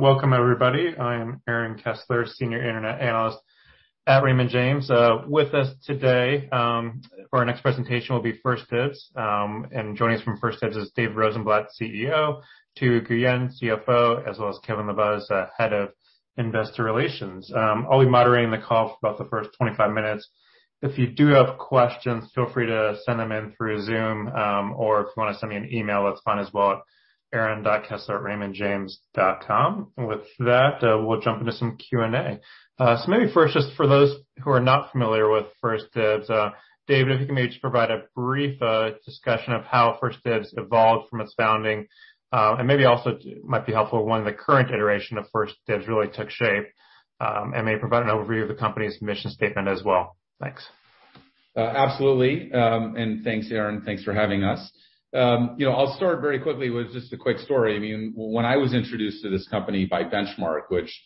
Welcome, everybody. I am Aaron Kessler, Senior Internet Analyst at Raymond James. With us today for our next presentation will be 1stDibs. Joining us from 1stDibs is David Rosenblatt, CEO, Tu Nguyen, CFO, as well as Kevin LaBuz, Head of Investor Relations. I'll be moderating the call for about the first 25 minutes. If you do have questions, feel free to send them in through Zoom. If you want to send me an email, that's fine as well, aaron.kessler@raymondjames.com. With that, we'll jump into some Q&A. Maybe first, just for those who are not familiar with 1stDibs, Dave, if you can maybe just provide a brief discussion of how 1stDibs evolved from its founding. Maybe also might be helpful when the current iteration of 1stDibs really took shape, and maybe provide an overview of the company's mission statement as well. Thanks. Absolutely. Thanks, Aaron. Thanks for having us. I'll start very quickly with just a quick story. When I was introduced to this company by Benchmark, which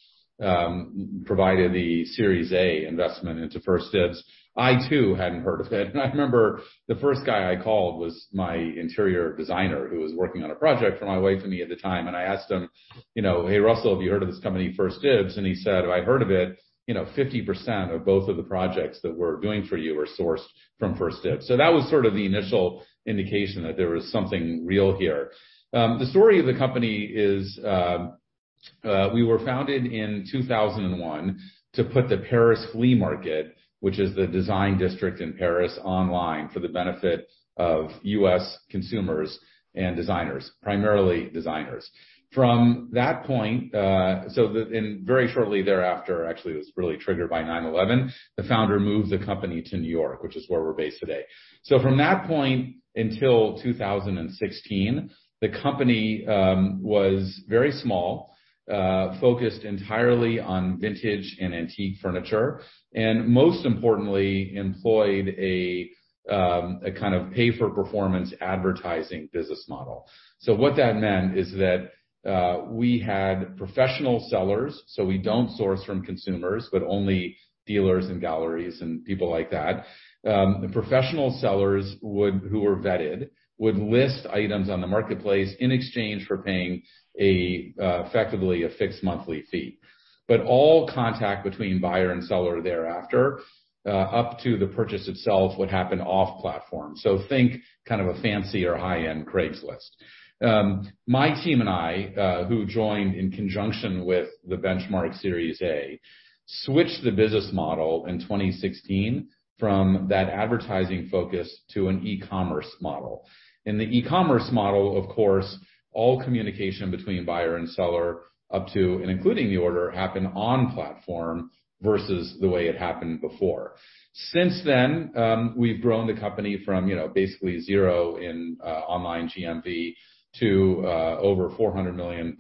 provided the Series A investment into 1stDibs, I too hadn't heard of it. I remember the first guy I called was my interior designer, who was working on a project for my wife and me at the time, and I asked him, "Hey, Russell, have you heard of this company, 1stDibs?" He said, "I heard of it. 50% of both of the projects that we're doing for you are sourced from 1stDibs." That was sort of the initial indication that there was something real here. The story of the company is we were founded in 2001 to put the Paris Flea Market, which is the design district in Paris, online for the benefit of U.S. consumers and designers, primarily designers. From that point, and very shortly thereafter, actually, it was really triggered by 9/11, the founder moved the company to New York, which is where we're based today. From that point until 2016, the company was very small, focused entirely on vintage and antique furniture, and most importantly, employed a kind of pay-for-performance advertising business model. What that meant is that we had professional sellers. We don't source from consumers, but only dealers and galleries and people like that. Professional sellers who were vetted would list items on the marketplace in exchange for paying effectively a fixed monthly fee. All contact between buyer and seller thereafter, up to the purchase itself, would happen off platform. Think kind of a fancy or high-end Craigslist. My team and I, who joined in conjunction with the Benchmark Series A, switched the business model in 2016 from that advertising focus to an e-commerce model. In the e-commerce model, of course, all communication between buyer and seller, up to and including the order, happen on platform versus the way it happened before. Since then, we've grown the company from basically zero in online GMV to over $400 million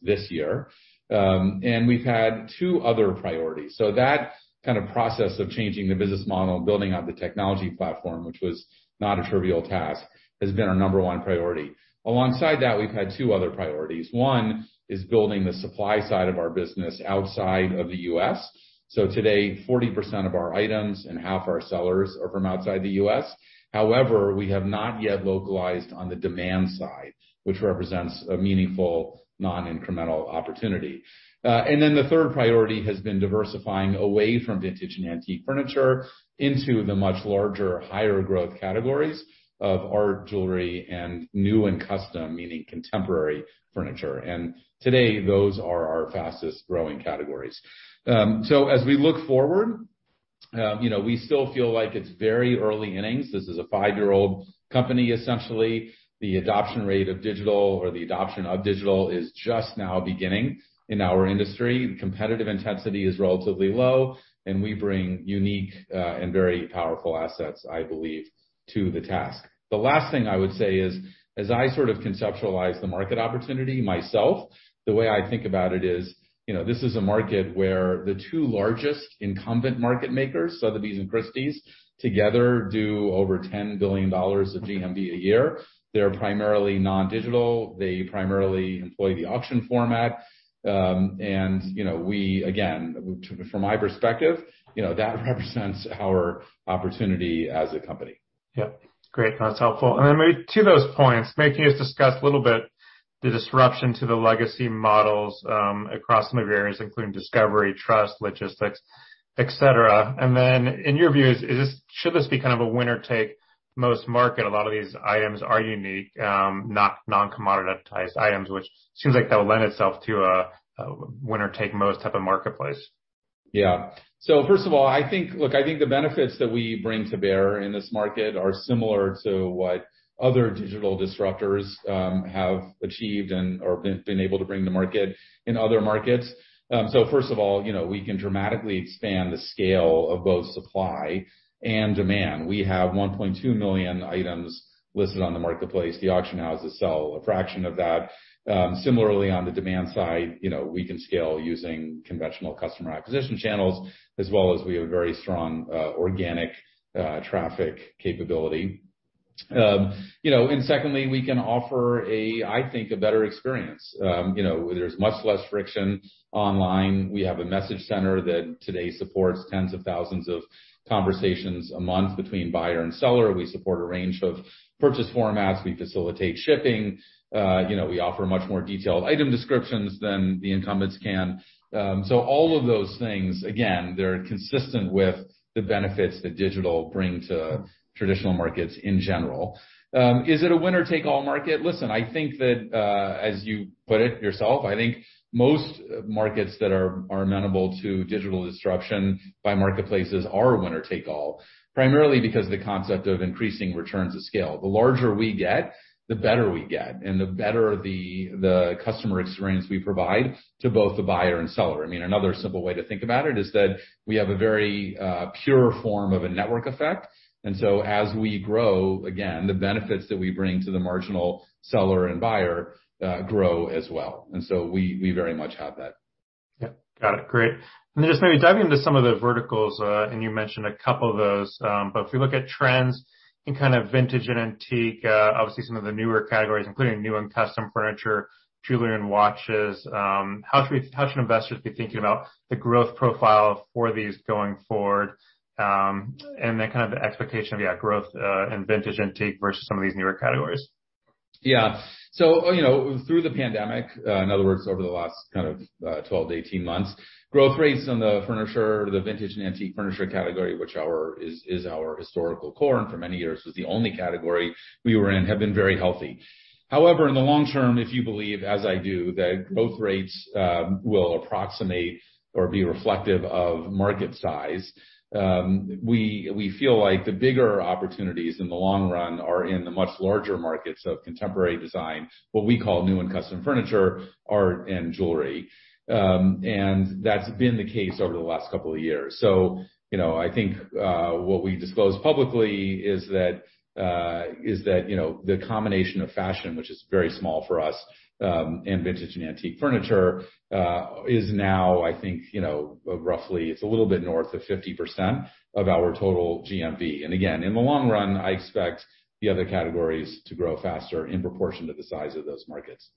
this year. We've had two other priorities. That kind of process of changing the business model and building out the technology platform, which was not a trivial task, has been our number one priority. Alongside that, we've had two other priorities. One is building the supply side of our business outside of the U.S. Today, 40% of our items and half our sellers are from outside the U.S. However, we have not yet localized on the demand side, which represents a meaningful non-incremental opportunity. The third priority has been diversifying away from vintage and antique furniture into the much larger, higher growth categories of art, jewelry, and new and custom, meaning contemporary, furniture. Today, those are our fastest growing categories. As we look forward, we still feel like it's very early innings. This is a five-year-old company, essentially. The adoption rate of digital or the adoption of digital is just now beginning in our industry. Competitive intensity is relatively low, and we bring unique and very powerful assets, I believe, to the task. The last thing I would say is as I sort of conceptualize the market opportunity myself, the way I think about it is, this is a market where the two largest incumbent market makers, Sotheby's and Christie's, together do over $10 billion of GMV a year. They're primarily non-digital. They primarily employ the auction format. We, again, from my perspective, that represents our opportunity as a company. Yep. Great. That's helpful. Maybe to those points, maybe just discuss a little bit the disruption to the legacy models across some of your areas, including discovery, trust, logistics, et cetera. In your view, should this be kind of a winner-take-most market? A lot of these items are unique, non-commoditized items, which seems like that would lend itself to a winner-take-most type of marketplace. Yeah. First of all, look, I think the benefits that we bring to bear in this market are similar to what other digital disruptors have achieved and/or been able to bring to market in other markets. First of all, we can dramatically expand the scale of both supply and demand. We have 1.2 million items listed on the marketplace. The auction houses sell a fraction of that. Similarly, on the demand side, we can scale using conventional customer acquisition channels, as well as we have a very strong organic traffic capability. Secondly, we can offer, I think, a better experience. There's much less friction online. We have a message center that today supports tens of thousands of conversations a month between buyer and seller. We support a range of purchase formats. We facilitate shipping. We offer much more detailed item descriptions than the incumbents can. All of those things, again, they're consistent with the benefits that digital bring to traditional markets in general. Is it a winner-take-all market? Listen, I think that, as you put it yourself, I think most markets that are amenable to digital disruption by marketplaces are a winner-take-all, primarily because the concept of increasing returns to scale. The larger we get, the better we get, and the better the customer experience we provide to both the buyer and seller. Another simple way to think about it is that we have a very pure form of a network effect, and so as we grow, again, the benefits that we bring to the marginal seller and buyer grow as well. We very much have that. Yeah. Got it. Great. Then just maybe diving into some of the verticals, and you mentioned a couple of those, but if we look at trends in vintage and antique, obviously some of the newer categories, including new and custom furniture, jewelry and watches, how should investors be thinking about the growth profile for these going forward? Then the expectation of growth in vintage antique versus some of these newer categories. Yeah. Through the pandemic, in other words, over the last 12 to 18 months, growth rates on the furniture, the vintage and antique furniture category, which is our historical core, and for many years was the only category we were in, have been very healthy. However, in the long term, if you believe, as I do, that growth rates will approximate or be reflective of market size, we feel like the bigger opportunities in the long run are in the much larger markets of contemporary design, what we call new and custom furniture, art and jewelry. That's been the case over the last couple of years. I think what we disclose publicly is that the combination of fashion, which is very small for us, and vintage and antique furniture, is now, I think, roughly, it's a little bit north of 50% of our total GMV. Again, in the long run, I expect the other categories to grow faster in proportion to the size of those markets.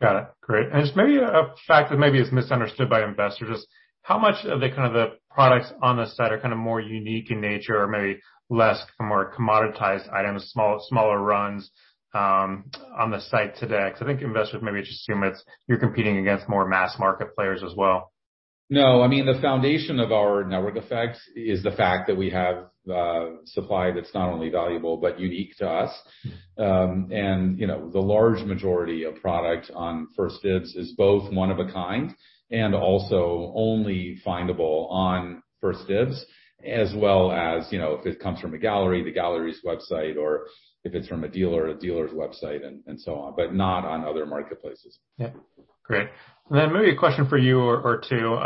Got it. Great. Just maybe a fact that maybe is misunderstood by investors, how much of the products on the site are more unique in nature or maybe less more commoditized items, smaller runs on the site today? Because I think investors maybe just assume you're competing against more mass market players as well. No, I mean, the foundation of our network effects is the fact that we have supply that's not only valuable, but unique to us. The large majority of product on 1stDibs is both one of a kind and also only findable on 1stDibs, as well as if it comes from a gallery, the gallery's website, or if it's from a dealer, a dealer's website, and so on. Not on other marketplaces. Yeah. Great. Then maybe a question for you or two.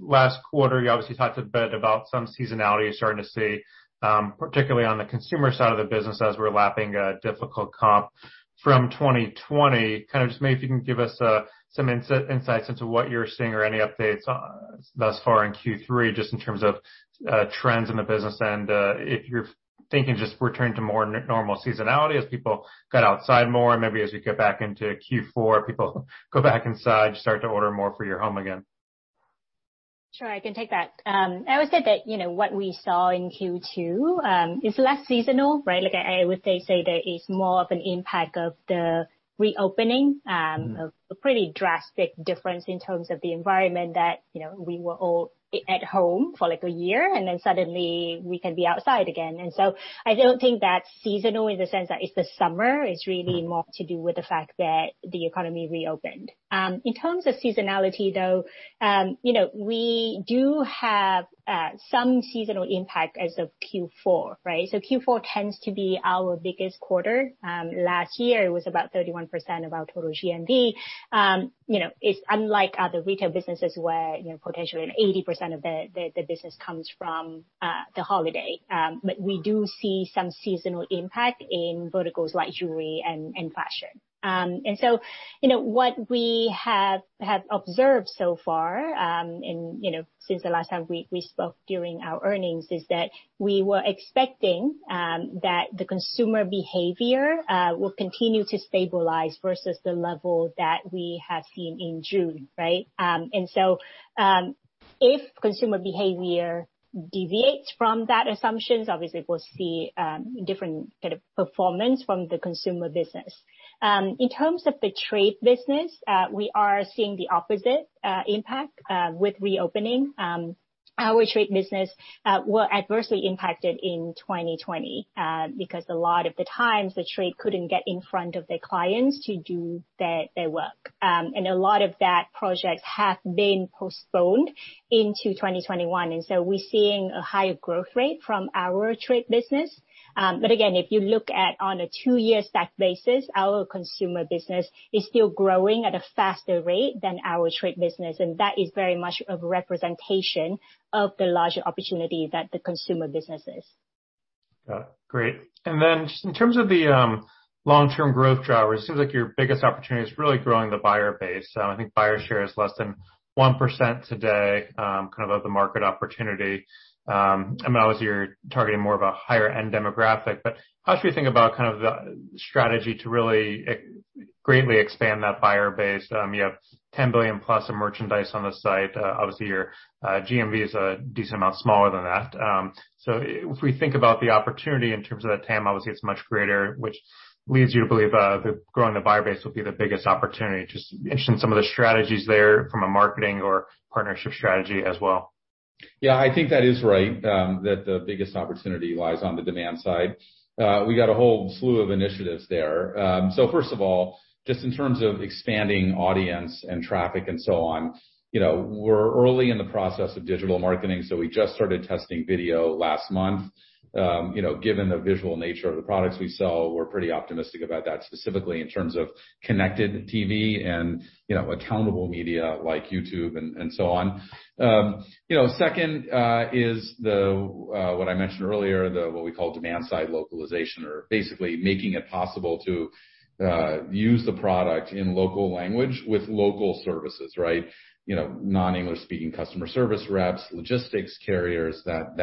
Last quarter, you obviously talked a bit about some seasonality you're starting to see, particularly on the consumer side of the business as we're lapping a difficult comp from 2020. Just maybe if you can give us some insights into what you're seeing or any updates thus far in Q3, just in terms of trends in the business, and if you're thinking just return to more normal seasonality as people got outside more, and maybe as we get back into Q4, people go back inside, start to order more for your home again. Sure. I can take that. I would say that what we saw in Q2 is less seasonal, right? I would say there is more of an impact of the reopening- of a pretty drastic difference in terms of the environment that we were all at home for like a year. Suddenly, we can be outside again. I don't think that's seasonal in the sense that it's the summer, it's really more to do with the fact that the economy reopened. In terms of seasonality, though, we do have some seasonal impact as of Q4. In Q4 tends to be our biggest quarter. Last year, it was about 31% of our total GMV. It's unlike other retail businesses where potentially 80% of the business comes from the holiday. We do see some seasonal impact in verticals like jewelry and fashion. What we have observed so far since the last time we spoke during our earnings, is that we were expecting that the consumer behavior will continue to stabilize versus the level that we have seen in June. Right? If consumer behavior deviates from that assumption, obviously we'll see different performance from the consumer business. In terms of the trade business, we are seeing the opposite impact with reopening. Our trade business were adversely impacted in 2020, because a lot of the times the trade couldn't get in front of their clients to do their work. A lot of that project has been postponed into 2021, and so we're seeing a higher growth rate from our trade business. Again, if you look at on a two-year stack basis, our consumer business is still growing at a faster rate than our trade business, and that is very much a representation of the larger opportunity that the consumer business is. Got it. Great. Then just in terms of the long-term growth drivers, it seems like your biggest opportunity is really growing the buyer base. I think buyer share is less than 1% today of the market opportunity. Obviously, you're targeting more of a higher-end demographic, but how should we think about the strategy to really greatly expand that buyer base? You have $10 billion plus of merchandise on the site. Obviously, your GMV is a decent amount smaller than that. If we think about the opportunity in terms of that TAM, obviously it's much greater, which leads you to believe that growing the buyer base will be the biggest opportunity. Just interested in some of the strategies there from a marketing or partnership strategy as well? I think that is right, that the biggest opportunity lies on the demand side. We got a whole slew of initiatives there. First of all, just in terms of expanding audience and traffic and so on, we're early in the process of digital marketing, so we just started testing video last month. Given the visual nature of the products we sell, we're pretty optimistic about that, specifically in terms of connected TV and accountable media like YouTube and so on. Second is what I mentioned earlier, what we call demand-side localization, or basically making it possible to use the product in local language with local services, right? Non-English speaking customer service reps, logistics carriers, that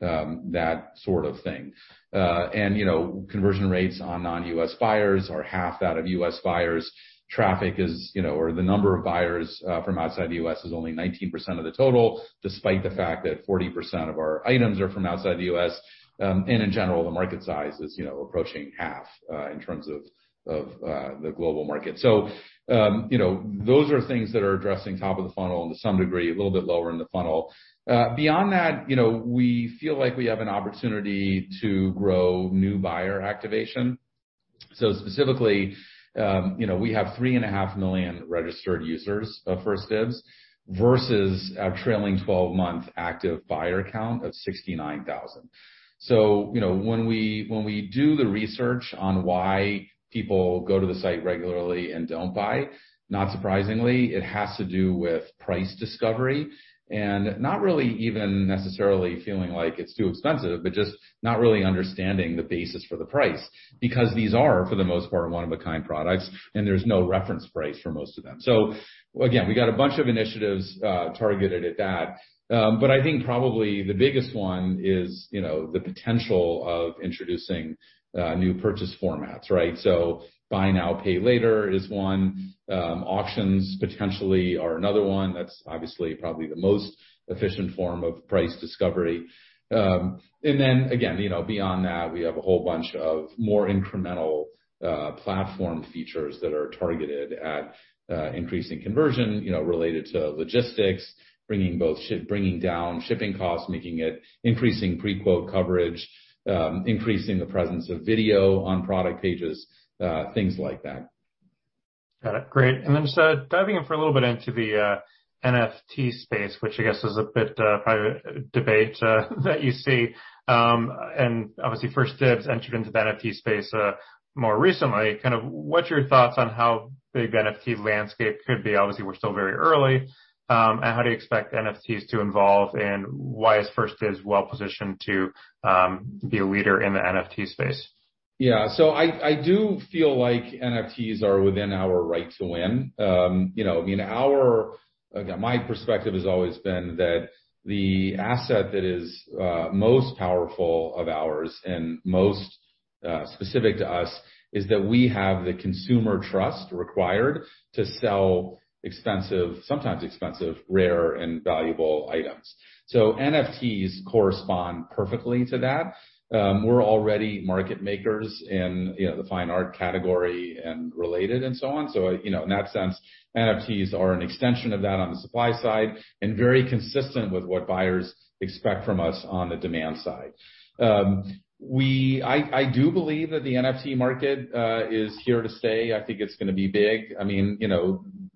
sort of thing. Conversion rates on non-U.S. buyers are half that of U.S. buyers. Traffic is, or the number of buyers from outside the U.S. is only 19% of the total, despite the fact that 40% of our items are from outside the U.S. In general, the market size is approaching half in terms of the global market. Those are things that are addressing top of the funnel and to some degree, a little bit lower in the funnel. Beyond that, we feel like we have an opportunity to grow new buyer activation. Specifically, we have 3.5 million registered users of 1stDibs versus our trailing 12-month active buyer count of 69,000. When we do the research on why people go to the site regularly and don't buy, not surprisingly, it has to do with price discovery and not really even necessarily feeling like it's too expensive, but just not really understanding the basis for the price. These are, for the most part, one-of-a-kind products, and there's no reference price for most of them. Again, we've got a bunch of initiatives targeted at that. I think probably the biggest one is the potential of introducing new purchase formats, right. Buy now, pay later is one. Auctions potentially are another one. That's obviously probably the most efficient form of price discovery. Again, beyond that, we have a whole bunch of more incremental platform features that are targeted at increasing conversion, related to logistics, bringing down shipping costs, increasing pre-quote coverage, increasing the presence of video on product pages, things like that. Got it. Great. Just diving in for a little bit into the NFT space, which I guess is a bit of a debate that you see, and obviously 1stDibs entered into the NFT space more recently. What's your thoughts on how big the NFT landscape could be? Obviously, we're still very early. How do you expect NFTs to evolve? Why is 1stDibs well positioned to be a leader in the NFT space? Yeah. I do feel like NFTs are within our right to win. Again, my perspective has always been that the asset that is most powerful of ours and most specific to us is that we have the consumer trust required to sell expensive, sometimes expensive, rare, and valuable items. NFTs correspond perfectly to that. We're already market makers in the fine art category and related and so on. In that sense, NFTs are an extension of that on the supply side and very consistent with what buyers expect from us on the demand side. I do believe that the NFT market is here to stay. I think it's going to be big.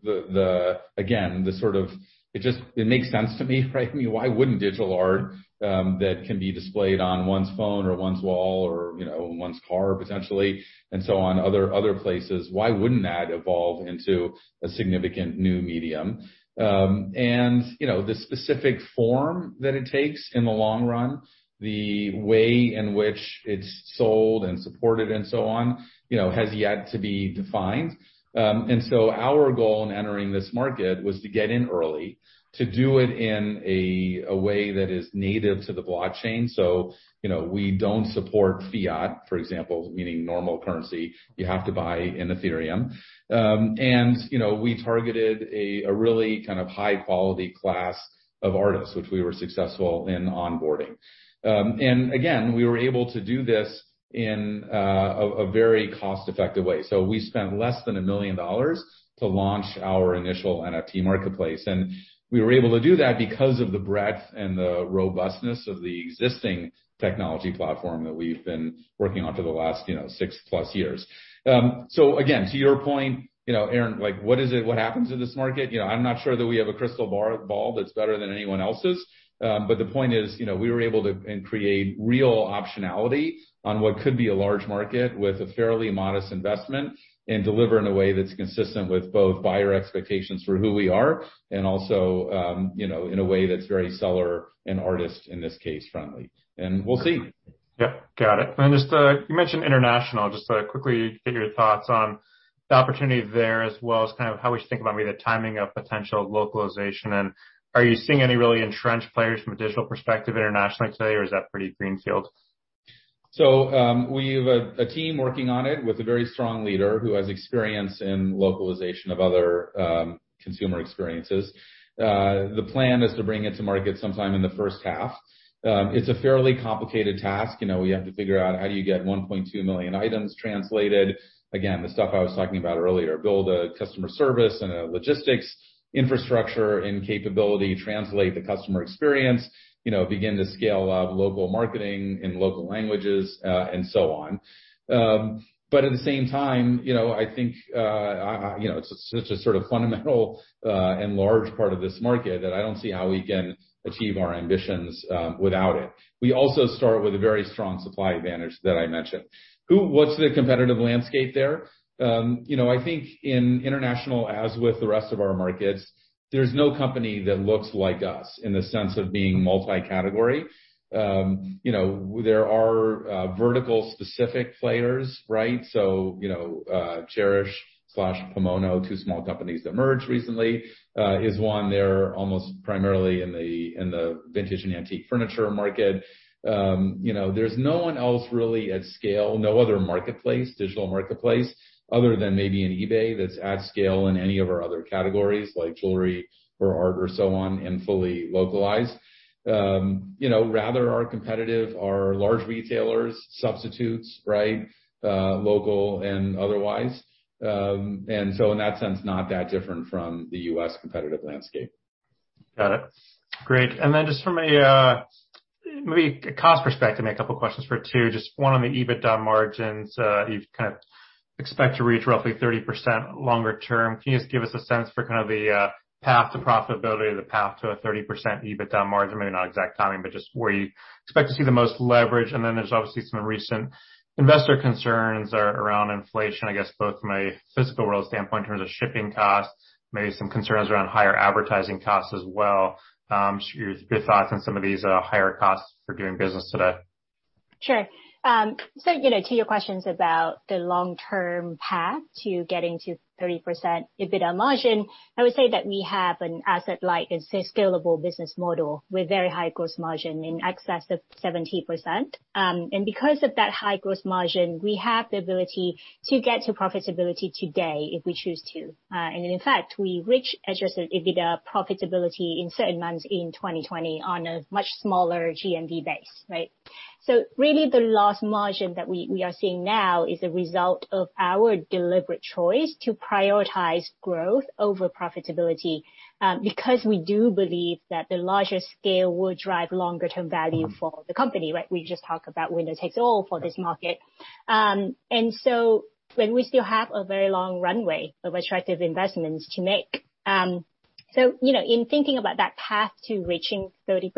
Again, it makes sense to me, right? I mean, why wouldn't digital art that can be displayed on one's phone or one's wall or one's car potentially, and so on, other places, why wouldn't that evolve into a significant new medium? The specific form that it takes in the long run, the way in which it's sold and supported and so on, has yet to be defined. Our goal in entering this market was to get in early, to do it in a way that is native to the blockchain. We don't support fiat, for example, meaning normal currency. You have to buy in Ethereum. We targeted a really high-quality class of artists, which we were successful in onboarding. Again, we were able to do this in a very cost-effective way. We spent less than $1 million to launch our initial NFT marketplace, and we were able to do that because of the breadth and the robustness of the existing technology platform that we've been working on for the last six-plus years. Again, to your point, Aaron, what happens to this market? I'm not sure that we have a crystal ball that's better than anyone else's. The point is we were able to create real optionality on what could be a large market with a fairly modest investment and deliver in a way that's consistent with both buyer expectations for who we are and also in a way that's very seller and artist, in this case, friendly. We'll see. Yep, got it. Just you mentioned international. Just to quickly get your thoughts on the opportunity there as well as how we should think about maybe the timing of potential localization, and are you seeing any really entrenched players from a digital perspective internationally today, or is that pretty greenfield? We have a team working on it with a very strong leader who has experience in localization of other consumer experiences. The plan is to bring it to market sometime in the first half. It's a fairly complicated task. We have to figure out how do you get 1.2 million items translated. Again, the stuff I was talking about earlier, build a customer service and a logistics infrastructure and capability, translate the customer experience, begin to scale up local marketing in local languages, and so on. At the same time, I think it's such a sort of fundamental and large part of this market that I don't see how we can achieve our ambitions without it. We also start with a very strong supply advantage that I mentioned. What's the competitive landscape there? I think in international, as with the rest of our markets, there's no company that looks like us in the sense of being multi-category. There are vertical specific players, right? Chairish/Pamono, two small companies that merged recently, is one. They're almost primarily in the vintage and antique furniture market. There's no one else really at scale, no other digital marketplace, other than maybe an eBay that's at scale in any of our other categories, like jewelry or art or so on, and fully localized. Rather, our competitive are large retailers, substitutes, right? Local and otherwise. In that sense, not that different from the U.S. competitive landscape. Got it. Great. Just from a cost perspective, maybe a couple of questions for Tu. Just one on the EBITDA margins. You kind of expect to reach roughly 30% longer term. Can you just give us a sense for kind of the path to profitability or the path to a 30% EBITDA margin? Maybe not exact timing, just where you expect to see the most leverage. There's obviously some recent investor concerns around inflation, I guess both from a physical world standpoint in terms of shipping costs, maybe some concerns around higher advertising costs as well. Just your thoughts on some of these higher costs for doing business today. Sure. To your questions about the long-term path to getting to 30% EBITDA margin, I would say that we have an asset-light and scalable business model with very high gross margin in excess of 70%. Because of that high gross margin, we have the ability to get to profitability today if we choose to. In fact, we reach adjusted EBITDA profitability in certain months in 2020 on a much smaller GMV base, right? Really the loss margin that we are seeing now is a result of our deliberate choice to prioritize growth over profitability, because we do believe that the larger scale will drive longer-term value for the company, right? We just talk about winner takes all for this market when we still have a very long runway of attractive investments to make. In thinking about that path to reaching 30%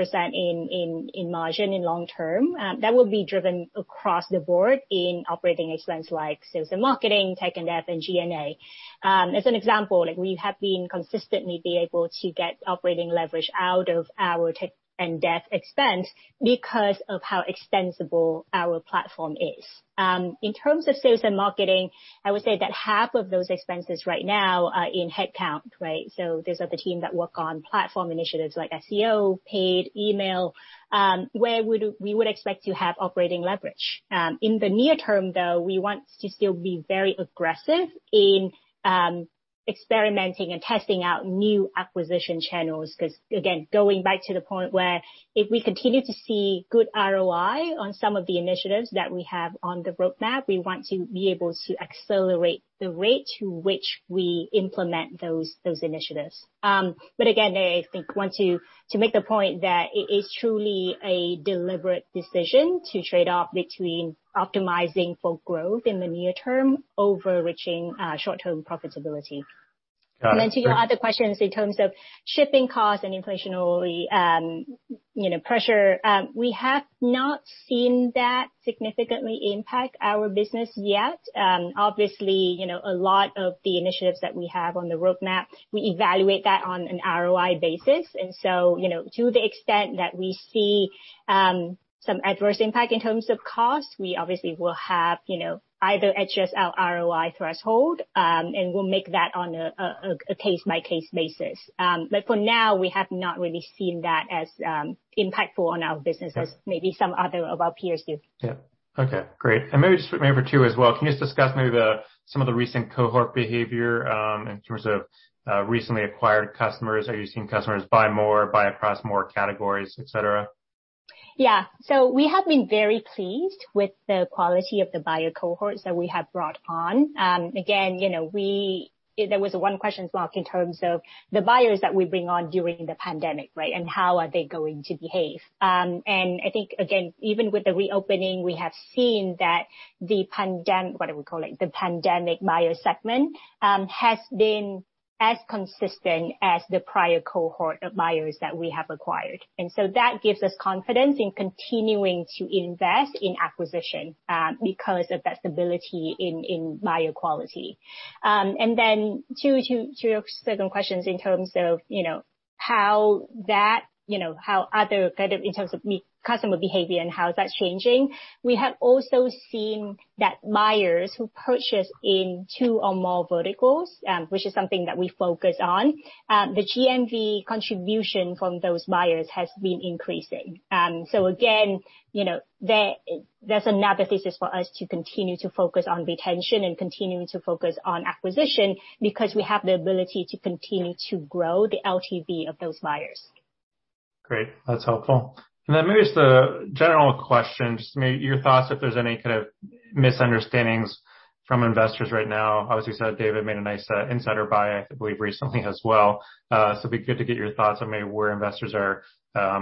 in margin in long term, that will be driven across the board in operating expense like Sales and Marketing, Tech and Dev, and G&A. As an example, we have been consistently be able to get operating leverage out of our Tech and Dev expense because of how extensible our platform is. In terms of Sales and Marketing, I would say that half of those expenses right now are in headcount, right? Those are the team that work on platform initiatives like SEO, Paid Email, where we would expect to have operating leverage. In the near term, though, we want to still be very aggressive in experimenting and testing out new acquisition channels. Again, going back to the point where if we continue to see good ROI on some of the initiatives that we have on the roadmap, we want to be able to accelerate the rate to which we implement those initiatives. Again, I think want to make the point that it is truly a deliberate decision to trade off between optimizing for growth in the near term over reaching short-term profitability. Got it. Then to your other questions in terms of shipping costs and inflationary pressure, we have not seen that significantly impact our business yet. Obviously, a lot of the initiatives that we have on the roadmap, we evaluate that on an ROI basis. So, to the extent that we see some adverse impact in terms of cost, we obviously will have either HSL ROI threshold, and we'll make that on a case-by-case basis. For now, we have not really seen that as impactful on our business as maybe some other of our peers do. Yep. Okay, great. Maybe just for Tu as well, can you just discuss maybe some of the recent cohort behavior in terms of recently acquired customers? Are you seeing customers buy more, buy across more categories, et cetera? Yeah. We have been very pleased with the quality of the buyer cohorts that we have brought on. Again, there was one question mark in terms of the buyers that we bring on during the pandemic, right? How are they going to behave. I think, again, even with the reopening, we have seen that the pandemic, what do we call it? The pandemic buyer segment has been as consistent as the prior cohort of buyers that we have acquired. That gives us confidence in continuing to invest in acquisition, because of that stability in buyer quality. To your second questions in terms of customer behavior and how is that changing, we have also seen that buyers who purchase in two or more verticals, which is something that we focus on, the GMV contribution from those buyers has been increasing. Again, there's another thesis for us to continue to focus on retention and continuing to focus on acquisition because we have the ability to continue to grow the LTV of those buyers. Great. That's helpful. Maybe just a general question, just maybe your thoughts if there's any kind of misunderstandings from investors right now. Obviously, you said David made a nice insider buy, I believe, recently as well. It'd be good to get your thoughts on maybe where investors are,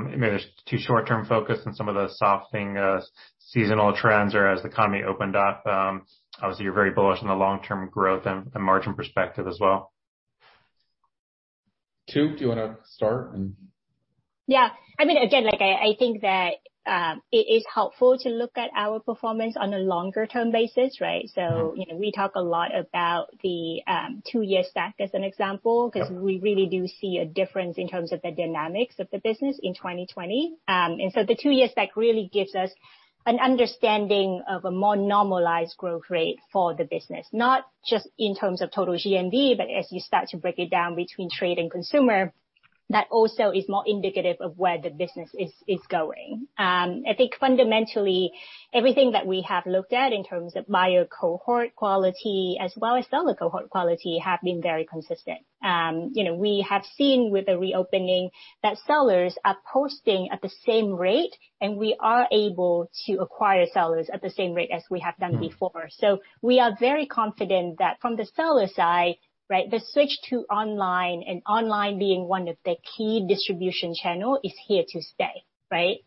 maybe they're too short-term focused on some of the softening seasonal trends or as the economy opened up. Obviously, you're very bullish on the long-term growth and the margin perspective as well. Tu, do you want to start and- Yeah. Again, I think that it is helpful to look at our performance on a longer term basis, right? We talk a lot about the two-year stack as an example, because we really do see a difference in terms of the dynamics of the business in 2020. The two-year stack really gives us an understanding of a more normalized growth rate for the business, not just in terms of total GMV, but as you start to break it down between trade and consumer, that also is more indicative of where the business is going. I think fundamentally, everything that we have looked at in terms of buyer cohort quality as well as seller cohort quality have been very consistent. We have seen with the reopening that sellers are posting at the same rate, and we are able to acquire sellers at the same rate as we have done before. We are very confident that from the seller side, the switch to online and online being one of the key distribution channel is here to stay, right?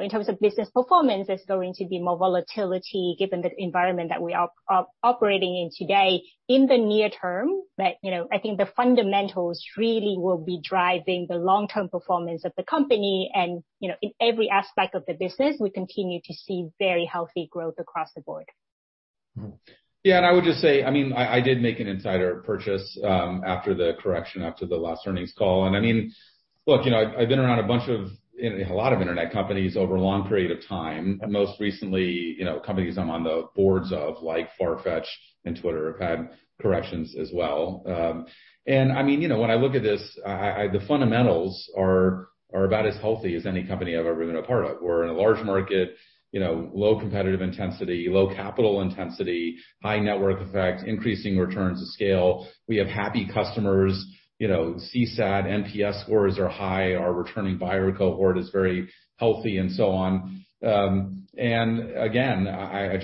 In terms of business performance, there's going to be more volatility given the environment that we are operating in today in the near term. I think the fundamentals really will be driving the long-term performance of the company and in every aspect of the business, we continue to see very healthy growth across the board. I would just say, I did make an insider purchase after the correction after the last earnings call. Look, I've been around a lot of Internet companies over a long period of time, and most recently, companies I'm on the boards of, like Farfetch and Twitter, have had corrections as well. When I look at this, the fundamentals are about as healthy as any company I've ever been a part of. We're in a large market, low competitive intensity, low capital intensity, high network effect, increasing returns to scale. We have happy customers, CSAT, NPS scores are high, our returning buyer cohort is very healthy, and so on. Again, I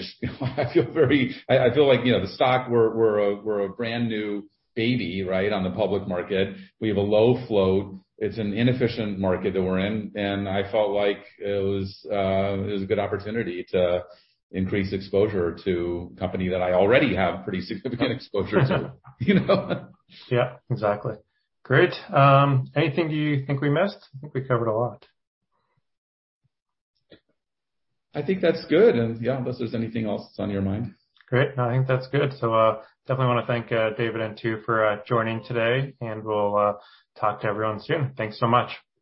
feel like the stock, we're a brand new baby on the public market. We have a low flow. It's an inefficient market that we're in, and I felt like it was a good opportunity to increase exposure to a company that I already have pretty significant exposure to. Yeah, exactly. Great. Anything you think we missed? I think we covered a lot. I think that's good, and yeah, unless there's anything else that's on your mind. Great. No, I think that's good. Definitely want to thank David and Tu for joining today, and we'll talk to everyone soon. Thanks so much. Have a good one.